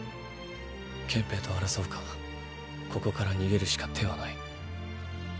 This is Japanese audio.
憲兵と争うかここから逃げるしか手はない。